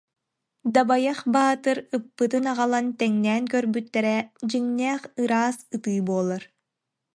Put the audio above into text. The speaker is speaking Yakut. Дабайах Баатыр ыппытын аҕалан тэҥнээн көрбүттэрэ дьиҥнээх ыраас ытыы буолар